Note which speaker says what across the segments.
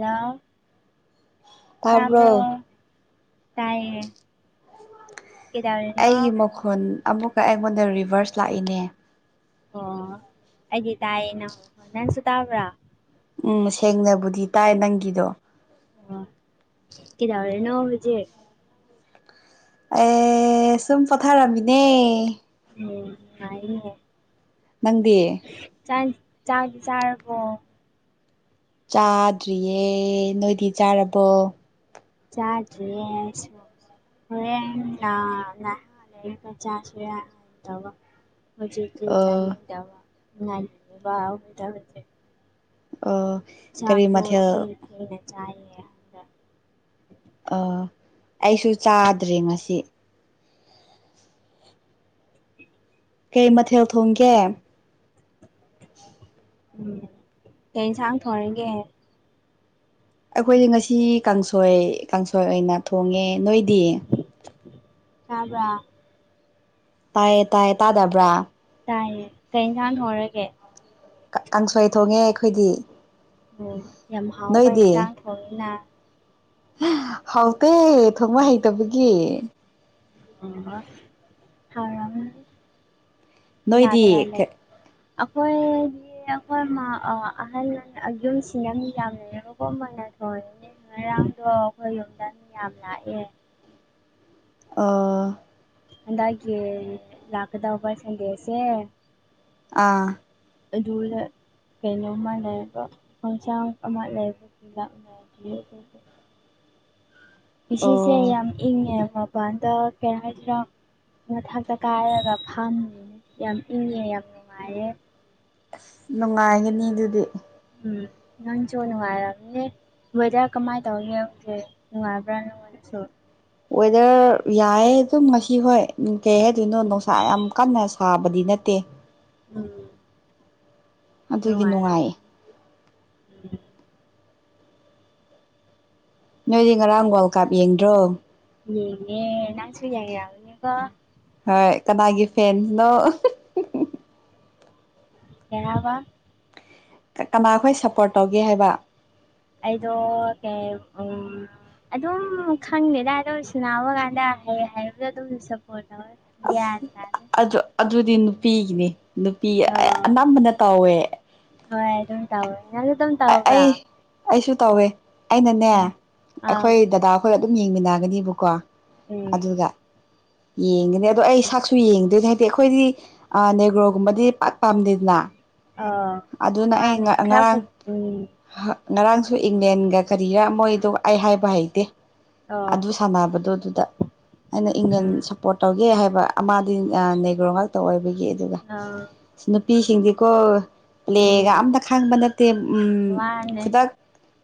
Speaker 1: ꯔ
Speaker 2: ꯇꯥꯕ꯭ꯔꯣ
Speaker 1: ꯇꯥꯕ꯭ꯔ ꯇꯏ
Speaker 2: ꯑꯩꯒꯤ ꯃꯈꯣꯜ ꯑꯃꯨꯛꯀ ꯑꯩꯉꯣꯟꯗ ꯔꯤꯚꯥꯔꯁ ꯂꯥꯛꯏꯅꯦ
Speaker 1: ꯑꯣ ꯑꯩꯗꯤ ꯇꯥꯏꯌꯦ ꯅꯪ ꯅꯪꯁꯨ ꯇꯥꯕ꯭ꯔꯥ
Speaker 2: ꯎꯝ ꯁꯦꯡꯅꯕꯨꯗꯤ ꯇꯥꯏ ꯅꯪꯒꯤꯗꯣ
Speaker 1: ꯑꯣ ꯀꯗ ꯑꯣꯏꯔꯦ ꯅ ꯖꯦ
Speaker 2: ꯑꯦ ꯁꯨꯝ ꯄꯣꯊꯥꯔꯝꯃꯤꯅꯦ
Speaker 1: ꯎꯝ
Speaker 2: ꯃꯪꯗꯤꯑꯌꯦ
Speaker 1: ꯆꯥꯟ ꯆꯥ ꯆꯥꯔꯄ
Speaker 2: ꯆꯥꯗ꯭ꯔꯤꯌꯦ ꯅꯣꯏꯗꯤ ꯆꯥꯔꯕꯣ
Speaker 1: ꯆꯥꯖ ꯁ ꯍꯣꯔꯍ ꯄ ꯆꯁꯨ ꯇ ꯍꯧꯖꯤ ꯀ
Speaker 2: ꯑꯣ
Speaker 1: ꯆꯅꯤꯗ ꯉꯅꯤ ꯋꯥꯗꯥ
Speaker 2: ꯑ
Speaker 1: ꯆꯥꯕꯨꯣ ꯊꯈꯤꯔꯈꯤꯅ ꯆꯥꯏꯦ
Speaker 2: ꯑꯥ ꯑꯩꯁꯨ ꯆꯥꯗ꯭ꯔꯦ ꯉꯁꯤ ꯀꯩ ꯃꯊꯦꯜ ꯊꯣꯡꯒꯦ
Speaker 1: ꯎꯝ ꯀꯩ ꯏꯟꯁꯥꯡ ꯊꯔꯒꯦ
Speaker 2: ꯑꯩꯈꯣꯏꯗꯤ ꯉꯁꯤ ꯀꯥꯡꯁꯣꯏ ꯀꯥꯡꯁꯣꯏ ꯑꯣꯏꯅ ꯊꯣꯡꯉꯦ ꯅꯣꯏꯗꯤ
Speaker 1: ꯌꯥꯕ꯭ꯔꯥ
Speaker 2: ꯇꯥꯏꯌꯦ ꯇꯥꯏꯌꯦ ꯇꯥꯗꯕ꯭ꯔꯥ
Speaker 1: ꯇꯥꯏ ꯀꯩ ꯏꯟꯁꯥꯡ ꯍꯧꯔꯒꯦ
Speaker 2: ꯀꯥꯡꯁꯣꯏ ꯊꯣꯡꯉꯦ ꯑꯩꯈꯣꯏꯗꯤ
Speaker 1: ꯑꯣ ꯌꯥꯝ ꯍꯥꯎꯕ
Speaker 2: ꯅꯣꯏꯗꯤ
Speaker 1: ꯏꯟꯁꯥꯡ ꯊꯣꯡꯉꯅ
Speaker 2: ꯍꯥꯎꯇꯦ ꯊꯣꯡꯕ ꯍꯩꯇꯕꯒꯤ
Speaker 1: ꯍꯥꯎꯔꯝ
Speaker 2: ꯅꯣꯏꯗꯤ
Speaker 1: ꯅꯥꯒꯂꯦꯟꯦ
Speaker 2: ꯀꯩ
Speaker 1: ꯑꯩꯈꯣꯏ ꯑꯩꯈꯣꯏ ꯑꯍꯜ ꯌꯨꯝꯁꯤꯅ ꯃꯤ ꯌꯥꯝꯅ ꯌꯔꯨꯕꯣ ꯑꯣꯏꯅ ꯊꯣꯡꯅꯦ ꯉꯔꯥꯡꯗꯣ ꯑꯩꯈꯣꯏ ꯌꯨꯝꯗꯪ ꯃꯤ ꯌꯥꯝ ꯂꯥꯛꯑꯦ
Speaker 2: ꯑꯥ
Speaker 1: ꯍꯟꯗꯛꯀꯤ ꯂꯥꯛꯀꯗꯧꯕ ꯁꯟꯗꯦꯁꯦ
Speaker 2: ꯑꯥ
Speaker 1: ꯑꯗꯨꯗ ꯀꯩꯅꯣꯝꯃ ꯂꯩꯕ ꯍꯣꯡꯆꯥꯡ ꯑꯃ ꯂꯩꯕꯒꯤ ꯂꯥꯛꯅ [inaudible] ꯏꯁꯦ
Speaker 2: ꯑꯣ
Speaker 1: ꯌꯥꯝ ꯏꯪꯉꯦ ꯃꯄꯥꯟꯗ ꯀꯩꯅ ꯍꯥꯏꯁꯤꯔꯣ ꯃꯊꯛꯇ ꯀꯥꯏꯔꯒ ꯐꯝꯃꯤ ꯌꯥꯝ ꯏꯪꯉꯦ ꯌꯥꯝ ꯅꯨꯡꯉꯥꯏꯌꯦꯦ
Speaker 2: ꯅꯨꯡꯉꯥꯏꯒꯅꯤ ꯑꯗꯨꯗꯤ
Speaker 1: ꯎꯝ ꯅ ꯆꯅꯅꯨꯡꯉꯔ ꯕꯣꯏꯗ ꯀꯃꯥꯏꯅ ꯇꯧ ꯌꯦꯡꯗꯦ ꯅꯨꯡꯉꯥꯏꯕ꯭ꯔꯥꯅꯅꯨꯡꯉꯣꯟꯔꯁꯨ
Speaker 2: ꯋꯦꯗꯔ ꯌꯥꯏꯌꯦ ꯑꯗꯨꯝ ꯉꯁꯤ ꯍꯣꯏ ꯀꯩ ꯍꯥꯏꯗꯣꯏꯅꯣ ꯅꯨꯡꯁꯥ ꯌꯥꯝ ꯀꯟꯅ ꯊꯥꯕꯗꯤ ꯅꯠꯇꯦ
Speaker 1: ꯎꯝ
Speaker 2: ꯑꯗꯨꯗꯤ
Speaker 1: ꯅꯨꯡꯉꯥꯏꯔꯝ
Speaker 2: ꯅꯨꯡꯉꯥꯏꯌꯦ ꯅꯣꯏꯗꯤ ꯉꯔꯥꯡ ꯋꯥꯔꯜ ꯀꯞ ꯌꯦꯡꯗ꯭ꯔꯣ
Speaker 1: ꯌꯦꯅꯦ ꯅꯅꯥꯪꯁꯨꯨ ꯌꯥꯏ ꯍꯦꯔꯎꯅꯤ ꯀ
Speaker 2: ꯍꯣꯏ ꯀꯅꯥꯒꯤ ꯐꯦꯟꯁꯅꯣ
Speaker 1: ꯌꯥꯕ
Speaker 2: ꯀꯅꯥ ꯑꯩꯈꯣꯏ ꯁꯞꯄꯣꯔꯠ ꯇꯧꯒꯦ ꯍꯥꯏꯕ
Speaker 1: ꯑꯩꯗꯣ ꯀ ꯎ ꯑꯗꯨꯝ ꯈꯪꯗꯦꯗꯥꯏꯗ ꯑꯣꯏ ꯁꯅꯥꯎꯕ ꯀꯥꯟꯗ ꯍꯌꯦ ꯍꯥꯏꯕꯗꯣ ꯑꯗꯨꯝ ꯁꯞꯄꯣꯔꯠ ꯇꯧꯋꯦ
Speaker 2: ꯑꯁ
Speaker 1: ꯒ꯭ꯌꯥꯟ ꯇꯥꯗꯦ
Speaker 2: ꯑꯗꯨ ꯑꯗꯨꯗꯤ ꯅꯨꯄꯤꯒꯤꯅꯤ ꯅꯨꯄꯤ ꯑꯅꯝꯕꯅ ꯇꯧꯋꯦ
Speaker 1: ꯍꯣꯏꯝ ꯇꯕ
Speaker 2: ꯑꯩ ꯑꯩꯁꯨ ꯇꯧꯋꯦ ꯑꯩꯅꯅꯦ
Speaker 1: ꯑꯥ
Speaker 2: ꯑꯩꯈꯣꯏ ꯗꯗꯥ ꯍꯣꯏ ꯑꯗꯨꯝ ꯌꯦꯡꯃꯤꯟꯅꯒꯅꯦꯕꯀꯣ
Speaker 1: ꯎ
Speaker 2: ꯌꯦꯡꯒꯅꯤ ꯑꯗꯣ ꯑꯩ ꯁꯛꯁꯨ ꯌꯦꯡꯗꯣꯏꯅꯦ ꯍꯥꯏꯗꯤ ꯑꯩꯈꯣꯏꯗꯤ ꯅꯦꯒ꯭ꯔꯣꯒꯨꯝꯕꯗꯤ ꯄꯥꯛꯠ ꯄꯥꯝꯗꯦꯗꯅ
Speaker 1: ꯑ
Speaker 2: ꯑꯗꯨꯅ ꯑꯩ
Speaker 1: ꯃꯥꯥꯟ ꯈꯔꯐ
Speaker 2: ꯉꯔꯥꯡ
Speaker 1: ꯎꯝ
Speaker 2: ꯉꯔꯥꯡꯁꯨ ꯏꯪꯂꯦꯟꯒ ꯀꯔꯤꯔꯥ ꯃꯣꯏꯗꯣ ꯑꯩ ꯍꯥꯏꯕ ꯍꯩꯇꯦ
Speaker 1: ꯑꯣ
Speaker 2: ꯑꯗꯨ ꯁꯥꯟꯅꯕꯗꯣ ꯑꯗꯨꯗ ꯑꯩꯅ ꯏꯪꯂꯦꯟ
Speaker 1: ꯎꯝ
Speaker 2: ꯁꯞꯄꯣꯔꯠ ꯇꯧꯒꯦ ꯍꯥꯏꯕ ꯑꯃꯗꯤꯗꯤ ꯅꯦꯒ꯭ꯔꯣ ꯉꯥꯛꯇ ꯑꯣꯏꯕꯒꯤ ꯑꯗꯨꯒ
Speaker 1: ꯑꯥ
Speaker 2: ꯅꯨꯄꯤꯁꯤꯡꯗꯤꯀꯣ ꯄ꯭ꯂꯦꯒ
Speaker 1: ꯎꯝ
Speaker 2: ꯑꯝꯇ ꯈꯪꯕ ꯅꯠꯇꯦ
Speaker 1: ꯃꯥꯅꯦ
Speaker 2: ꯈꯨꯗꯛ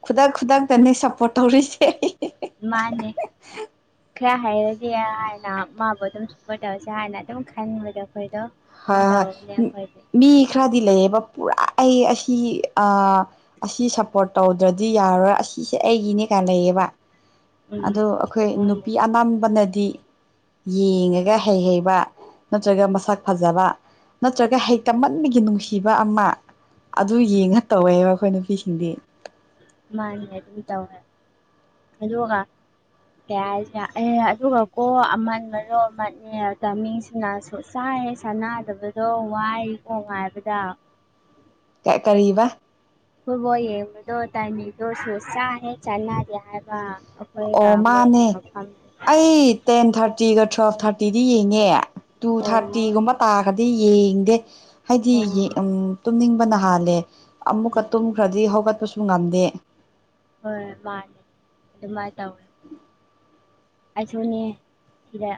Speaker 2: ꯈꯨꯗꯛ ꯈꯨꯗꯛꯇꯅꯦ ꯁꯞꯄꯣꯔꯠ ꯇꯧꯔꯤꯁꯦ
Speaker 1: ꯃꯥꯅꯦ ꯈꯔ ꯍꯥꯏꯔꯗꯤ ꯍꯥꯏꯥꯟꯅ ꯃꯥꯕꯨ ꯑꯗꯨꯝ ꯁꯄꯣꯔꯠ ꯇꯧꯔꯁꯦ ꯍꯥꯏꯅ ꯑꯗꯨꯝ ꯈꯟꯕꯗꯣ ꯑꯩꯈꯣꯏꯗꯣ ꯑꯗꯨꯝ
Speaker 2: ꯍꯣꯏ
Speaker 1: ꯇꯧꯕꯅꯦ
Speaker 2: ꯍꯣꯏ
Speaker 1: ꯑꯩꯈꯣꯏꯗꯤ
Speaker 2: ꯃꯤ ꯈꯔꯗꯤ ꯂꯩꯌꯦꯕ ꯄꯨꯔꯥ ꯑꯩ ꯑꯁꯤ ꯑ ꯑꯁꯤ ꯁꯞꯄꯣꯔꯠ ꯇꯧꯗ꯭ꯔꯗꯤ ꯌꯥꯔꯔꯣꯏ ꯑꯁꯤꯁꯦ ꯑꯩꯒꯤꯅꯦ ꯀꯥꯏꯅ ꯂꯩꯌꯦꯕ
Speaker 1: ꯎꯝ
Speaker 2: ꯑꯗ ꯑꯩꯈꯣꯏ
Speaker 1: ꯃꯥꯅꯦ
Speaker 2: ꯅꯨꯄꯤ ꯑꯅꯥꯕꯅꯗꯤ ꯌꯦꯡꯉꯒ ꯍꯩ ꯍꯩꯕ ꯅꯠꯇ꯭ꯔꯒ ꯃꯁꯛ ꯐꯖꯕ ꯅꯠꯇ꯭ꯔꯒ ꯍꯩꯛꯇꯃꯟꯕꯒꯤ ꯅꯨꯡꯁꯤꯕ ꯑꯃ ꯑꯗꯨ
Speaker 1: ꯎꯝ
Speaker 2: ꯌꯦꯡꯉ ꯇꯧꯋꯦꯕ ꯑꯩꯈꯣꯏ ꯅꯨꯄꯤꯁꯤꯡꯗꯤ
Speaker 1: ꯃꯥꯅꯦ ꯑꯗꯨ ꯇꯦ ꯑꯗꯨꯒ ꯀ ꯍꯥꯏꯁꯦ ꯑꯦ ꯑꯗꯨꯒ ꯀꯣ ꯑꯃꯟꯒꯅꯨ ꯑꯃꯅꯦ ꯇꯃꯤꯡꯁꯦ ꯆꯥꯏꯦ ꯁꯥꯟꯅꯗꯕꯗꯣ ꯋꯥꯏꯀꯣ ꯍꯥꯏꯕꯗ
Speaker 2: ꯀꯔꯤꯕ
Speaker 1: ꯐꯕꯣ ꯌꯦꯗꯣ ꯇꯅꯤꯗꯣ ꯁꯣ ꯆ ꯍꯥꯏ ꯆꯂ ꯍꯥꯏꯕ
Speaker 2: ꯑꯣ
Speaker 1: ꯃꯣꯏꯒꯤ
Speaker 2: ꯃꯥꯅꯦ
Speaker 1: ꯃꯐꯝꯗꯨ
Speaker 2: ꯑꯩ ꯇꯦꯟ ꯊꯥꯔꯇꯤꯒ ꯇ꯭ꯋꯦꯜꯐ ꯊꯥꯔꯇꯤꯗꯤ ꯌꯦꯡꯉꯦ ꯇꯨ
Speaker 1: ꯑꯣ ꯑꯣ
Speaker 2: ꯊꯥꯔꯇꯤꯒꯨꯝꯕ ꯇꯥꯈꯗꯤ ꯌꯦꯡꯗꯦ ꯍꯥꯏꯗꯤ ꯎꯝ ꯇꯨꯝꯅꯤꯡꯕ ꯅꯍꯜꯂꯦ ꯑꯃꯨꯛꯀ ꯇꯨꯝꯈ꯭ꯔꯗꯤ ꯍꯧꯒꯠꯄꯁꯨ ꯉꯝꯗꯦ
Speaker 1: ꯍꯣꯏ ꯃꯥꯦ ꯑꯗꯨ ꯃꯥ ꯇ
Speaker 2: ꯎꯝ
Speaker 1: ꯑꯩꯁꯨꯅꯦ ꯁꯤꯗ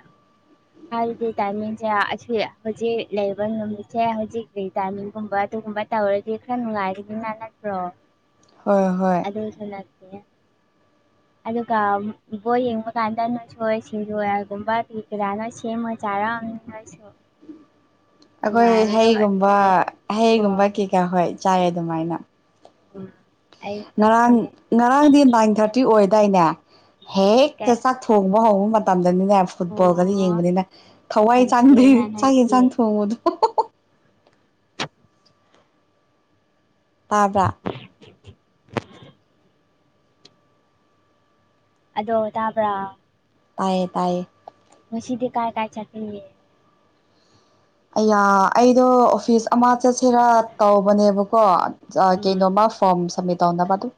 Speaker 1: ꯍꯥꯏꯕꯗꯤ ꯇꯥꯏꯃꯤꯡꯁꯦ ꯑꯁꯤ ꯍꯧꯖꯤꯛ ꯂꯩꯕ ꯅꯨꯃꯤꯠꯁꯦ ꯍꯧꯖꯤꯛ ꯇꯃꯤꯒꯨꯝꯕ ꯑꯗꯨꯒꯨꯝꯕ ꯇꯧꯗꯤ꯭ꯔꯔꯤꯗꯤ ꯅꯥꯟꯠꯇ꯭ꯔꯣ
Speaker 2: ꯍꯣꯏ ꯍꯣꯏ
Speaker 1: ꯑꯗꯣ ꯆꯅꯥꯛꯇꯦ ꯑꯗꯨꯒ ꯕꯣꯏ ꯌꯦꯡꯕ ꯀꯥꯟꯗ ꯅꯁꯣꯏ ꯁꯤꯡꯖꯣꯏꯒꯨꯝꯕ ꯀꯖꯥꯅ ꯁꯦꯝꯃ ꯆꯥꯔ ꯑ
Speaker 2: ꯑꯩꯈꯣꯏ ꯍꯩꯒꯨꯝꯕ
Speaker 1: ꯑꯗꯨꯅꯦ ꯀꯣ
Speaker 2: ꯍꯩꯒꯨꯝꯕ ꯀꯩꯀꯥ ꯍꯣꯏ ꯆꯥꯏ ꯑꯗꯨꯃꯥꯏꯅ
Speaker 1: ꯎꯝ
Speaker 2: ꯉꯔꯥꯡ
Speaker 1: ꯑꯩꯈꯣꯏꯁꯨꯅꯦ
Speaker 2: ꯉꯔꯥꯡꯗꯤ ꯅꯥꯏꯟ ꯊꯥꯔꯇꯤ ꯑꯣꯏꯗꯥꯏꯅꯦ ꯍꯦꯛꯇ
Speaker 1: ꯀꯩ
Speaker 2: ꯆꯠꯊ ꯊꯣꯡꯕ ꯍꯧꯕ ꯃꯇꯝꯗꯅꯤꯅꯦ ꯐꯨꯠꯕꯣꯜꯒꯗꯤ
Speaker 1: ꯑꯣ
Speaker 2: ꯌꯦꯡꯕꯅꯤꯅ ꯊꯋꯥꯏ
Speaker 1: ꯌꯥꯝ
Speaker 2: ꯆꯥꯟꯗ
Speaker 1: ꯊꯨꯏꯌꯦꯅ
Speaker 2: ꯆꯥꯛ
Speaker 1: ꯅꯣꯏꯗꯤ
Speaker 2: ꯌꯦꯟꯁꯥꯡ ꯊꯣꯡꯕꯨꯗꯣ ꯇꯥꯕ꯭ꯔ
Speaker 1: ꯑꯗꯣ ꯇꯥꯕ꯭ꯔꯥ
Speaker 2: ꯇꯥꯏꯌꯦ ꯇꯥꯏꯌꯦ
Speaker 1: ꯉ ꯁꯤꯗꯤ ꯀꯥꯏ ꯀꯥꯏ ꯆꯇꯌꯦ
Speaker 2: ꯑꯌꯥ ꯑꯩꯗꯣ ꯑꯣꯐꯤꯁ ꯑꯃ ꯆꯠꯁꯤꯔꯥ ꯇꯧꯕꯅꯦꯕꯀꯣ
Speaker 1: ꯎꯝ
Speaker 2: ꯀꯩꯅꯣꯃ ꯐꯣꯔꯝ ꯁꯝꯃꯤꯠ ꯇꯧꯅꯕ ꯑꯗꯨꯝ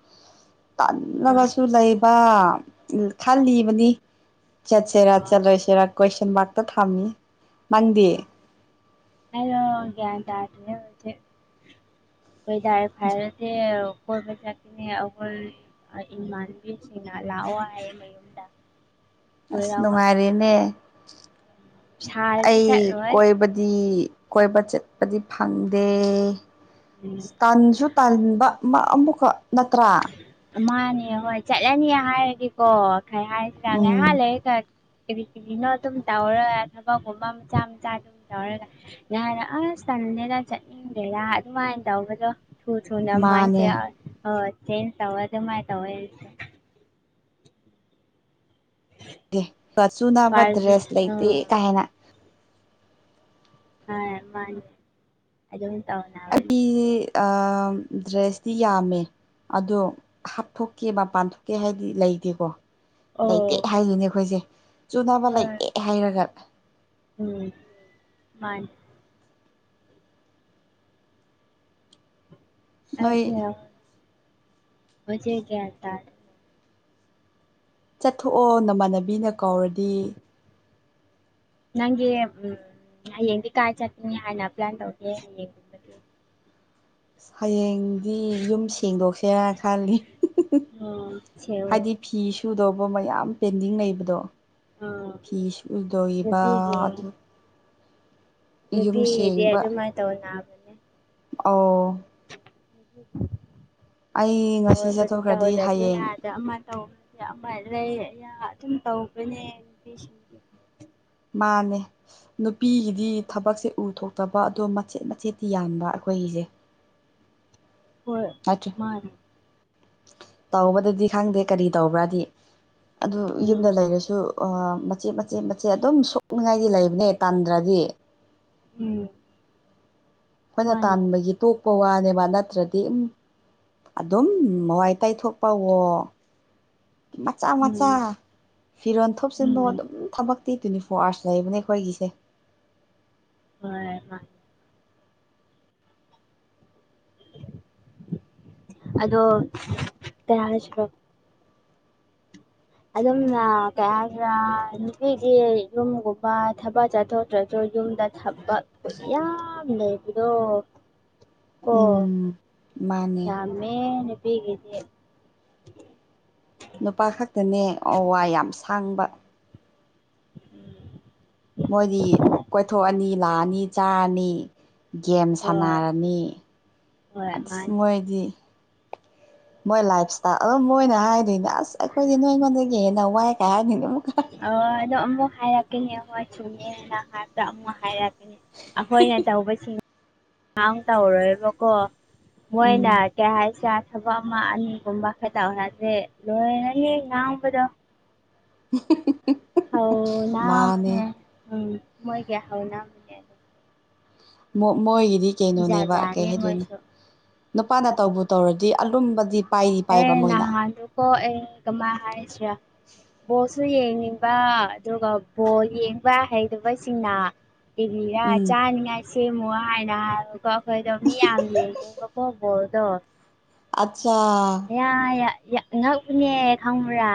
Speaker 1: ꯎꯝ
Speaker 2: ꯇꯜꯂꯒꯁꯨ ꯂꯩꯕ ꯈꯜꯂꯤꯕꯅꯤ ꯆꯠꯁꯤꯦꯔꯥ
Speaker 1: ꯍꯣꯏ
Speaker 2: ꯆꯠꯂꯣꯏꯁꯤꯦꯔꯥ ꯀꯣꯏꯁꯟ ꯕꯥꯔꯛꯇ ꯊꯝꯃꯤ ꯅꯪꯗꯤ
Speaker 1: ꯑꯗꯣ ꯟ ꯇꯥꯇꯦ ꯍꯧꯖꯤꯦ ꯗ ꯐꯥꯏꯔꯗꯤ ꯑꯣꯈꯣꯏ ꯄꯩꯁꯥ ꯀ ꯑꯈ ꯏꯃꯥꯟꯕꯤ ꯑꯁꯤꯅ ꯂꯥꯛꯑꯣ ꯍꯥꯏ ꯃꯟꯗ
Speaker 2: ꯑꯁ
Speaker 1: ꯀꯣꯏꯔꯛꯑꯣ
Speaker 2: ꯅꯨꯡꯉꯥꯏꯔꯦꯅꯦ
Speaker 1: ꯁꯥꯔꯗꯤ
Speaker 2: ꯑꯩ
Speaker 1: ꯆꯠꯂꯣꯏ
Speaker 2: ꯀꯣꯏꯕꯗꯤ ꯀꯣꯏꯕ ꯆꯠꯄꯗꯤ ꯐꯪꯗꯦ
Speaker 1: ꯎꯝ
Speaker 2: ꯇꯥꯟꯁꯨ ꯇꯥꯟꯕ ꯑꯃꯨꯛꯈꯛ ꯅꯠꯇ꯭ꯔꯥ
Speaker 1: ꯃꯥꯅꯦ ꯍꯣꯏ ꯆꯠꯂꯅꯤ ꯍꯥꯏꯔꯒꯦꯀꯣ ꯈꯩ ꯍꯥꯏꯁꯤꯔ
Speaker 2: ꯎꯝ
Speaker 1: ꯉꯥꯏꯍꯥꯟ ꯂꯩ ꯈ ꯀ ꯀꯅꯣ ꯑꯗꯨꯝ ꯇꯧꯔ ꯑꯕ ꯒꯨꯝꯕ ꯃꯆꯥ ꯃꯆꯥ ꯑꯗꯨꯝ ꯇꯧꯔꯒ ꯌꯥꯔ ꯑꯁ ꯇꯟꯗꯦꯅ ꯆꯠꯅꯤꯡꯗꯦꯔꯥ ꯑꯗꯨꯃꯥꯏꯅ ꯇꯧꯕꯗꯣ ꯊꯨ ꯊꯨ ꯅ ꯃꯥꯥꯏ
Speaker 2: ꯃꯥꯅꯦ
Speaker 1: ꯆꯦꯟꯖ ꯇꯃꯥꯏ ꯇ
Speaker 2: ꯆꯥꯁꯨꯨ ꯅꯥꯅꯕ
Speaker 1: ꯄꯥꯔꯁꯨ
Speaker 2: ꯗ꯭ꯔꯦꯁ ꯂꯩꯇꯦ
Speaker 1: ꯑꯥ
Speaker 2: ꯀꯥ ꯍꯦꯟꯅ
Speaker 1: ꯑ ꯃꯥꯅꯤ ꯑ ꯇꯧꯅꯅꯤ
Speaker 2: ꯑ ꯗ꯭ꯔꯦꯁꯇꯤ ꯌꯥꯝꯃꯦ ꯑꯗꯣ ꯍꯥꯞꯊꯣꯛꯀꯦ ꯃꯄꯥꯟ ꯊꯣꯛꯣꯛꯀꯦ ꯍꯥꯏꯗꯤ ꯂꯩꯇꯦꯀꯣ
Speaker 1: ꯑꯣ
Speaker 2: ꯂꯩꯇꯦ ꯍꯥꯏꯗꯨꯣꯏꯅꯦ ꯑꯩꯈꯣꯏꯁꯦ ꯆꯨꯅꯕ
Speaker 1: ꯍꯣꯏ
Speaker 2: ꯂꯩꯇꯦ ꯍꯥꯏꯔꯒ
Speaker 1: ꯎꯝ ꯃꯥ
Speaker 2: ꯅꯣꯏ
Speaker 1: ꯑꯥꯏꯅ ꯃꯖꯦꯒꯦꯥ
Speaker 2: ꯆꯠꯊꯣꯛꯑꯣ ꯅꯃꯥꯟꯅꯕꯤꯅ ꯀꯧꯔꯗꯤ
Speaker 1: ꯅꯪꯒꯤ ꯎꯝ ꯍꯌꯦꯡꯗꯤ ꯀꯥꯏ ꯆꯠꯇꯅꯤ ꯍꯥꯏꯅ ꯄ꯭ꯂꯥꯟ ꯇꯧꯒꯦ ꯍꯌꯦꯡ
Speaker 2: ꯍꯌꯦꯡꯗꯤ ꯌꯨꯝ ꯁꯦꯡꯗꯣꯛꯁꯦꯔ ꯈꯜꯂꯤ
Speaker 1: ꯑꯣ ꯁꯦꯜ
Speaker 2: ꯍꯥꯏꯗꯤ ꯐꯤ ꯁꯨꯗꯧꯕ ꯃꯌꯥꯝ ꯄꯦꯟꯗꯤꯡ ꯂꯩꯕꯗꯣ
Speaker 1: ꯑꯥ
Speaker 2: ꯐꯤꯤꯁ ꯎꯗꯣꯏꯕ
Speaker 1: ꯅꯨꯄꯤꯒꯤ
Speaker 2: ꯑꯗꯨ ꯌꯨꯝ
Speaker 1: ꯅꯨꯄꯤꯗꯤ ꯑꯗꯨꯃꯥꯏꯅ ꯇꯧ ꯅꯥꯕ
Speaker 2: ꯑꯣ ꯑꯩ ꯉꯁꯤ
Speaker 1: ꯍꯣꯏꯕꯨ
Speaker 2: ꯆꯠꯊꯣꯛꯈ꯭ꯔꯗꯤ
Speaker 1: ꯇꯧꯗꯗꯤꯦ
Speaker 2: ꯍꯌꯦꯡ
Speaker 1: ꯌꯥꯗ ꯑꯃ ꯇꯧ ꯑꯃ ꯂꯩ ꯑꯩꯅ ꯑꯗꯨꯝ ꯇꯧꯕꯅꯦ ꯅꯨꯄꯤꯁꯤꯡꯗꯤ
Speaker 2: ꯃꯥꯅꯦ ꯅꯨꯄꯤꯒꯤꯗꯤ ꯊꯕꯛꯁꯦ ꯎ ꯊꯣꯛꯇꯕ ꯑꯗꯣ ꯃꯆꯦꯠ ꯃꯆꯦꯠ ꯌꯥꯟꯕ ꯑꯩꯈꯣꯏꯒꯤꯁꯦ
Speaker 1: [unintelligible] ꯍꯣꯏ
Speaker 2: ꯑꯆꯥ
Speaker 1: ꯃꯥꯅꯦ
Speaker 2: ꯇꯧꯕꯗꯗꯤ ꯈꯪꯗꯦ ꯀꯔꯤ ꯇꯧꯕ꯭ꯔꯥꯗꯤ ꯑꯗꯨ ꯌꯨꯝꯗ
Speaker 1: ꯎꯝ
Speaker 2: ꯂꯩꯔꯁꯨ ꯃꯆꯦꯠ ꯃꯆꯦꯠ ꯃꯆꯦꯠ ꯑꯗꯨꯝ ꯁꯣꯛꯅꯤꯡꯉꯥꯏꯗꯤ ꯂꯩꯕꯅꯦ ꯇꯟꯗ꯭ꯔꯗꯤ
Speaker 1: ꯎꯝ
Speaker 2: ꯑꯩꯈꯣꯏꯅ
Speaker 1: ꯃꯥꯅꯦ
Speaker 2: ꯇꯥꯟꯕꯒꯤ ꯇꯣꯛꯄ ꯋꯥꯅꯦꯕ ꯅꯠꯇ꯭ꯔꯗꯤ ꯎꯝ ꯑꯗꯨꯝ ꯃꯋꯥꯏ ꯇꯥꯏꯊꯣꯛꯄꯋ ꯃꯆꯥ ꯃꯆꯥ
Speaker 1: ꯎꯝ
Speaker 2: ꯐꯤꯔꯣ ꯊꯣꯛꯆꯤꯟꯕ
Speaker 1: ꯎꯝ
Speaker 2: ꯑꯗꯨꯝ ꯊꯕꯛ ꯐꯥꯇꯤ ꯇ꯭ꯦꯟꯇꯤ ꯐꯣꯔ ꯑꯥꯔꯁ ꯂꯩꯕꯅꯦꯈꯒꯤꯁꯦ
Speaker 1: ꯍꯣꯏ ꯍꯣꯏ ꯑꯗꯣ ꯇꯌꯥꯔꯁ꯭ꯔꯣ ꯑꯗꯨꯝ ꯀꯩꯗ꯭ꯔꯥ ꯅꯨꯄꯤꯒꯤ ꯌꯨꯝꯒꯨꯝꯕ ꯊꯕꯛ ꯆꯠꯊꯣꯛꯇ꯭ꯔꯁꯨ ꯌꯨꯝꯗ ꯊꯕ ꯀ ꯌꯥꯝ ꯂꯩ ꯑꯗꯨꯗꯣ
Speaker 2: ꯎꯝ ꯃꯥꯅꯦ
Speaker 1: ꯃꯦ ꯅꯨꯄꯤꯒꯤꯗꯤ
Speaker 2: ꯅꯨꯄꯥ ꯈꯛꯇꯅꯦ ꯑꯣ ꯋꯥ ꯌꯥꯝ ꯁꯥꯡꯕ ꯃꯣꯏꯗꯤ ꯀꯣꯏꯊꯣꯛꯑꯅꯤ ꯂꯥꯛꯑꯅꯤ ꯆꯥꯔꯅꯤ ꯒꯦꯝ
Speaker 1: ꯍꯣꯏ
Speaker 2: ꯁꯥꯟꯅꯔꯅꯤ
Speaker 1: ꯍꯣꯏ
Speaker 2: ꯑꯗꯨꯁꯨ
Speaker 1: ꯃꯥꯅꯦ
Speaker 2: ꯃꯣꯏ ꯗꯤ ꯃꯣꯏ ꯂꯥꯏꯞ ꯏꯁꯇꯥꯏꯜ ꯑꯗꯨꯝ ꯃꯣꯏꯅ ꯍꯥꯏꯗꯣꯏꯅꯦ ꯑꯁ ꯑꯩꯈꯣꯏꯗꯤ ꯅꯣꯏꯉꯣꯟꯗꯒꯤ ꯌꯦ ꯅꯧꯋꯥꯏ ꯀꯥꯏꯅꯤꯅ ꯃꯨꯛꯀ
Speaker 1: ꯑꯧ ꯑꯗꯣ ꯑꯃꯨꯛ ꯍꯥꯏꯔꯛꯀꯅꯤ ꯍꯣꯏ ꯆꯨꯝꯃꯦꯅ ꯍꯥꯏꯕꯗ ꯑꯃꯨꯛ ꯍꯥꯏꯔꯛꯀꯦ ꯑꯩꯈꯣꯏꯅ ꯇꯧꯕꯁꯤꯡ ꯇꯧꯔꯣꯏꯕꯀꯣ ꯃꯣꯏꯅ
Speaker 2: ꯎꯝ
Speaker 1: ꯀꯌꯥ ꯍꯥꯏꯁꯦ ꯊꯕꯛ ꯑꯃ ꯑꯅꯤꯒꯨꯝꯕ ꯈꯛꯇꯔꯁꯦ ꯂꯣꯏꯅꯅꯦ ꯉꯥꯡꯕꯗꯣ
Speaker 2: [unintelligible]
Speaker 1: ꯍꯥꯎꯅꯥ
Speaker 2: ꯃꯥꯅꯦ
Speaker 1: ꯃ ꯎꯝ ꯃꯣꯏꯒꯌꯥ ꯍꯥꯎꯅꯥ
Speaker 2: ꯃꯣꯏꯒꯤꯗꯤ
Speaker 1: ꯖꯥꯠ
Speaker 2: ꯀꯩꯅꯣꯅꯦꯕ ꯀꯩ
Speaker 1: ꯖꯥꯠꯅꯤ
Speaker 2: ꯍꯥꯏꯗꯣꯏꯅꯣ
Speaker 1: ꯃꯣꯏꯁꯨ
Speaker 2: ꯅꯨꯄꯥꯅ ꯇꯧꯕꯨ ꯇꯧꯔꯗꯤ ꯑꯂꯨꯝꯕꯗꯤ ꯄꯥꯏꯔꯤ ꯄꯥꯏꯕ ꯃꯣꯏꯅ
Speaker 1: ꯍꯣ ꯑꯩ ꯀꯃꯥꯏ ꯍꯥꯏꯁꯤꯔ ꯕꯣꯜꯁꯨ ꯌꯦꯡꯅꯤꯡꯕ ꯑꯗꯨꯒ ꯕꯣ ꯌꯦꯡꯕ ꯍꯩꯗꯕꯁꯤꯡꯅ ꯏꯕꯤꯔ
Speaker 2: ꯎꯝ
Speaker 1: ꯆꯥꯅꯤꯉꯥꯏ ꯁꯦꯝꯃꯨ ꯍꯥꯏꯅ ꯍꯥꯏꯔꯒ ꯑꯩꯈꯣꯏꯗꯣ ꯃꯤ ꯌꯥꯝ ꯌꯦꯡꯉꯦꯕꯀꯣ ꯕꯣꯔꯗꯣ
Speaker 2: ꯑꯆꯥ
Speaker 1: ꯌꯥ ꯌꯥ ꯌꯥ ꯉꯛꯎꯅꯦ ꯈꯪꯕꯔꯥ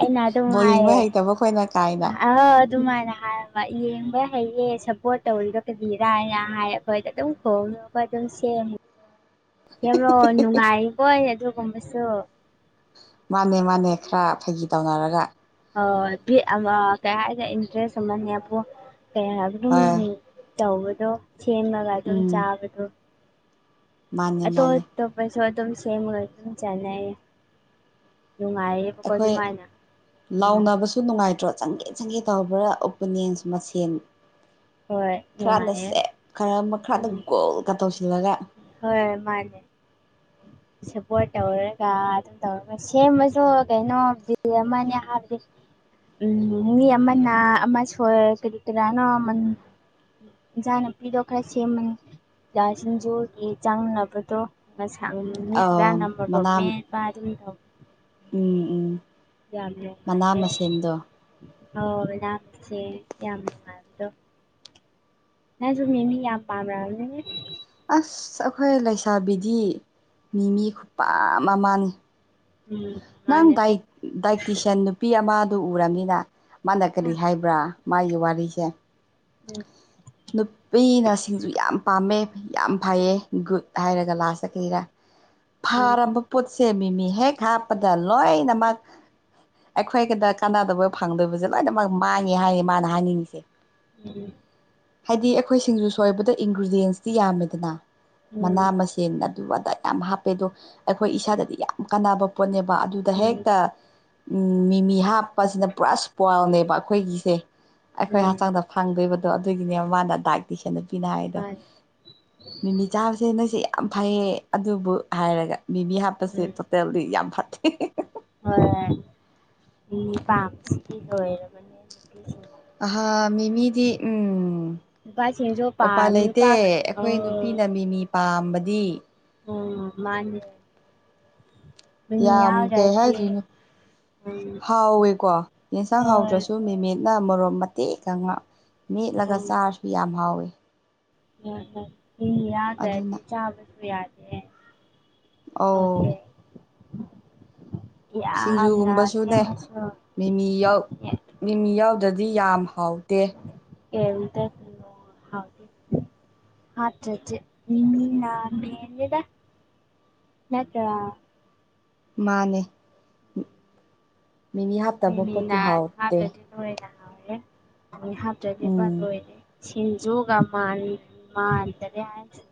Speaker 1: ꯑꯩꯅ ꯑꯗꯨꯝ
Speaker 2: ꯕꯣꯜ ꯌꯦꯡꯕ
Speaker 1: ꯍꯥꯏꯌꯦ
Speaker 2: ꯍꯩꯇꯕ ꯑꯩꯈꯣꯏꯅ ꯀꯥꯏꯅ
Speaker 1: ꯑ ꯑꯗꯨꯃꯥꯏꯅ ꯍꯥꯏꯑꯣ ꯃ ꯌꯦꯡꯕ ꯍꯩꯌꯦ ꯁꯞꯄꯣꯔꯠ ꯇꯧꯔꯤꯔ ꯀꯔꯤꯔꯥꯏꯅ ꯍꯥꯏ ꯑꯩꯈꯣꯏꯗ ꯑꯗꯨꯝ ꯈꯣꯡ ꯂꯨꯒ ꯑꯗꯨꯝ ꯁꯦꯝꯃꯨ ꯌꯦꯂꯣ ꯅꯨꯡꯉꯥꯏꯀꯣꯏ ꯑꯗꯨꯒꯨꯝꯕꯁꯨ
Speaker 2: ꯃꯥꯅꯦ ꯃꯥꯅꯦ ꯈꯔ ꯐꯥꯒꯤ ꯇꯧꯅꯔꯒ
Speaker 1: ꯑꯣ [unintelligible] ꯑꯃ ꯀꯩ ꯍꯥꯏꯗ ꯏꯟꯇꯔꯦꯁ ꯑꯃꯅꯤꯕꯨ ꯀꯌꯥ ꯍꯥꯏꯕ ꯑꯗꯨꯝ
Speaker 2: ꯍꯣꯏ
Speaker 1: ꯇꯧꯕꯗꯣ ꯁꯦꯝꯔꯒ ꯑꯗꯨꯝ
Speaker 2: ꯎꯝ
Speaker 1: ꯆꯥꯕꯗꯣ
Speaker 2: ꯃꯥꯅꯦ
Speaker 1: ꯑꯇꯣꯞ
Speaker 2: ꯃꯥꯅꯦ
Speaker 1: ꯑꯇꯣꯞꯄꯁꯨ ꯑꯗꯨꯝ ꯁꯦꯝꯃꯒ ꯑꯗꯨꯝ ꯆꯥꯅꯩ ꯅꯨꯡꯉꯥꯏꯌꯦ
Speaker 2: ꯑꯩꯈꯣꯏ ꯂꯥꯎꯅꯕꯁ ꯁꯨ ꯅꯨꯡꯉꯥꯏꯇ꯭ꯔꯣ ꯆꯪꯒꯦ ꯆꯪꯒꯦ ꯇꯧꯕ꯭ꯔꯥ ꯑꯣꯄꯅꯦꯟꯁ ꯃꯁꯦꯟ
Speaker 1: ꯍꯣꯏ
Speaker 2: ꯈꯔꯅ
Speaker 1: ꯅꯨꯡꯉꯥꯏꯌꯦ
Speaker 2: ꯁꯦꯗ ꯈꯔ ꯑꯃ ꯈꯔꯗ
Speaker 1: ꯎꯝ
Speaker 2: ꯒꯣꯜꯒ ꯇꯧꯁꯤꯜꯂꯒ
Speaker 1: ꯍꯣꯏ ꯃꯥꯅꯦ ꯁꯦꯞꯄꯣꯔꯠ ꯇꯧꯔꯒ ꯑꯗꯨꯝ ꯇꯧꯔꯒ ꯁꯦꯝꯃꯁꯨ ꯀꯩꯅꯣ ꯕꯤꯜ ꯑꯃꯅꯦ ꯍꯥꯏꯕꯗꯤ ꯎꯝ ꯃꯤ ꯑꯃꯅ ꯑꯃ ꯁꯣꯏ ꯀꯔꯤ ꯀꯔꯥꯅꯣꯃ ꯏꯟꯖꯥꯡ ꯅꯄꯤꯗꯣ ꯈꯔ ꯁꯦꯝꯃꯅꯤ ꯂꯥ ꯁꯤꯡꯖꯨꯒꯤ ꯆꯪꯅꯕꯗꯣ ꯃꯁꯥꯡ ꯔꯥ ꯅꯝꯕꯔꯗꯣ
Speaker 2: ꯃꯅꯥ
Speaker 1: ꯃꯦꯠꯄ ꯑꯗꯨꯝ ꯇꯧ
Speaker 2: ꯎꯝ ꯎꯝ
Speaker 1: ꯌꯥꯝ
Speaker 2: ꯃꯅꯥ
Speaker 1: ꯅꯨꯡꯉꯥꯏꯌꯦ
Speaker 2: ꯃꯁꯤꯟꯗꯣ
Speaker 1: ꯑꯣ ꯅꯥꯝꯁꯦ ꯌꯥꯝ ꯅꯨꯡꯉꯥꯏꯕꯗꯣ ꯅꯪꯁꯨꯨ ꯃꯦꯃꯤ ꯌꯥꯝ ꯄꯥꯝꯔꯝꯃꯅꯤ
Speaker 2: ꯑꯁ ꯑꯩꯈꯣꯏ ꯂꯩꯁꯥꯕꯤꯗꯤ ꯃꯤ ꯃꯤ ꯈꯨꯄꯥꯝ ꯑꯃꯃꯥꯅꯤ
Speaker 1: ꯎꯝ
Speaker 2: ꯅꯪ
Speaker 1: ꯃꯥꯅꯦ
Speaker 2: ꯗꯥꯏ ꯗꯥꯏꯇꯤꯁꯤꯌꯥꯟ ꯅꯨꯄꯤ ꯑꯃꯗꯨ ꯎꯔꯝꯅꯤꯗ ꯃꯥꯅ
Speaker 1: ꯑ
Speaker 2: ꯀꯔꯤ ꯍꯥꯏꯕ꯭ꯔꯥ ꯃꯥꯒꯤ ꯋꯥꯔꯤꯁꯦ
Speaker 1: ꯎꯝ
Speaker 2: ꯅꯨꯄꯤꯅ ꯁꯤꯡꯖꯨ ꯌꯥꯝ ꯄꯥꯝꯃꯦ ꯌꯥꯝ ꯐꯩꯌꯦ ꯒꯨꯗ ꯍꯥꯏꯔꯒ ꯂꯥꯁꯇ ꯀꯩꯔꯥ
Speaker 1: ꯎꯝ
Speaker 2: ꯐꯥꯔꯕ ꯄꯣꯠꯁꯦ ꯃꯤꯃꯤ ꯍꯦꯛ ꯍꯥꯞꯄꯗ ꯂꯣꯏꯅꯃꯛ ꯑꯩꯈꯣꯏꯒꯗ ꯀꯥꯟꯅꯗꯕ ꯐꯪꯗꯕꯁꯦ ꯂꯣꯏꯅꯃꯛ ꯃꯥꯡꯉꯦ ꯍꯥꯏꯌꯦ ꯃꯥꯅ ꯍꯥꯏꯅꯤꯡꯉꯤꯁꯦ
Speaker 1: [unintelligible]
Speaker 2: ꯍꯥꯏꯗꯤ ꯑꯩꯈꯣꯏ ꯁꯤꯡꯖꯨ ꯁꯣꯏꯕꯗ ꯏꯟꯒ꯭ꯔꯤꯗꯤꯌꯦꯟꯁꯇꯤ ꯌꯥꯝꯃꯦꯗꯅ
Speaker 1: ꯎꯝ
Speaker 2: ꯃꯅꯥ ꯃꯁꯤꯡꯦꯟ ꯑꯗꯨ ꯑꯗ ꯌꯥꯝ ꯍꯥꯞꯄꯦ ꯑꯗꯣ ꯑꯩꯈꯣꯏ ꯏꯁꯥꯗꯗꯤ ꯌꯥꯝ ꯀꯥꯟꯅꯕ ꯄꯣꯠꯅꯦꯕ ꯑꯗꯨꯗ
Speaker 1: ꯎꯝ
Speaker 2: ꯍꯦꯛꯇ ꯃꯤꯃꯤ ꯍꯥꯞꯄꯁꯤꯅ ꯄꯨꯔꯥ ꯁ꯭ꯄ꯭ꯋꯥꯜꯅꯦꯕ ꯑꯩꯈꯣꯏꯒꯤꯁꯦ
Speaker 1: ꯎꯝ
Speaker 2: ꯑꯩꯈꯣꯏ
Speaker 1: ꯎꯝ
Speaker 2: ꯍꯛꯆꯥꯡꯗ ꯐꯪꯗꯣꯏꯕꯗꯣ ꯑꯗꯨꯒꯤꯅꯦ ꯃꯥꯅ ꯗꯥꯏ ꯇꯁꯦꯟꯅ ꯄꯤꯅ ꯍꯥꯏꯗꯣ
Speaker 1: ꯃꯥꯅꯦ
Speaker 2: ꯃꯤꯃꯤ ꯆꯥꯕꯁꯦ ꯅꯣꯏꯁꯦ ꯌꯥꯝ ꯐꯩꯌꯦ ꯑꯗꯨꯕꯨ ꯍꯥꯏꯔꯒ ꯃꯤꯃꯤ ꯐꯁꯤ ꯇꯣꯇꯦꯜꯗꯤ ꯌꯥꯝ ꯐꯥ [unintelligible]
Speaker 1: ꯍꯣꯏꯣ ꯃꯤ ꯄꯥꯝꯕꯁꯤꯗꯤ ꯂꯣꯏꯔꯕꯅꯦ ꯅꯨꯡꯄꯤꯁꯤꯡ
Speaker 2: ꯑꯍꯥ ꯃꯤꯃꯤꯗꯤ ꯎꯝ
Speaker 1: ꯅꯨꯄꯥꯁꯤꯡꯁꯨ
Speaker 2: ꯑꯣꯏꯄꯥ
Speaker 1: ꯄꯥꯝꯃꯤ
Speaker 2: ꯂꯩꯇꯦ
Speaker 1: ꯄꯥꯛ ꯑꯣ
Speaker 2: ꯑꯩꯈꯣꯏ ꯅꯨꯄꯤꯅ ꯃꯤꯃꯤ ꯄꯥꯝꯕꯗꯤ
Speaker 1: ꯎꯝ ꯃꯥꯟꯅꯤ
Speaker 2: ꯌꯥꯝ ꯀꯩ
Speaker 1: ꯌꯥꯎꯗ꯭ꯔꯗꯤ
Speaker 2: ꯍꯥꯏꯗꯣꯏꯅꯣ
Speaker 1: ꯎꯝ
Speaker 2: ꯍꯥꯎꯋꯦꯀꯣ ꯌꯦꯟꯁꯥꯡ
Speaker 1: ꯍꯣꯏ
Speaker 2: ꯍꯥꯎꯇ꯭ꯔꯁꯨ ꯃꯦꯃꯤꯠ ꯅ ꯃꯣꯔꯣꯟ ꯃꯇꯦꯛ ꯈꯉ ꯃꯦꯠꯂꯒ ꯆꯥꯔꯁꯨ ꯌꯥꯝ ꯍꯥꯎꯋꯤ
Speaker 1: ꯌꯥꯗꯦ ꯃꯤꯃꯤ ꯌꯥꯎꯗ꯭ꯔꯗꯤ
Speaker 2: ꯑꯗꯨꯅ
Speaker 1: ꯆꯥꯕꯁꯨ ꯌꯥꯗꯦ
Speaker 2: ꯑꯧ
Speaker 1: ꯍꯧꯖꯤꯛ ꯌꯥꯝꯅ
Speaker 2: ꯁꯤꯡꯖꯨꯒꯨꯝꯕꯁꯨꯅꯦ
Speaker 1: ꯊꯦꯡꯅꯁꯨ
Speaker 2: ꯃꯤꯃꯤ ꯌꯥꯎ ꯃꯤꯃꯤ ꯌꯥꯎꯗ꯭ꯔꯗꯤ ꯌꯥꯝ ꯍꯥꯎꯇꯦ
Speaker 1: ꯀꯩꯝꯇ ꯀꯤꯅꯣ ꯍꯥꯎꯇꯦ ꯍꯥꯞꯇ꯭ꯔꯗꯤ ꯃꯤꯃꯤꯅ ꯃꯦꯟꯅꯤꯗ ꯅꯠꯇ꯭ꯔꯥ
Speaker 2: ꯃꯥꯟꯅꯦ ꯍꯥꯞꯇꯕ ꯄꯣꯠꯇꯤ
Speaker 1: ꯃꯤꯃꯤꯅ
Speaker 2: ꯍꯥꯎꯇꯦ
Speaker 1: ꯍꯥꯞꯇ꯭ꯔꯗꯤ ꯂꯣꯏꯅ ꯍꯥꯎꯔꯦ ꯃꯤꯃꯤ ꯍꯥꯞꯇ꯭ꯔꯗꯤ ꯚꯥ
Speaker 2: ꯎꯝ
Speaker 1: ꯂꯣꯏꯔꯦ ꯁꯤꯟꯖꯨꯒ ꯃꯥꯟ ꯃꯥꯟꯗꯔꯦ ꯍꯥꯏꯖꯦ